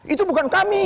itu bukan kami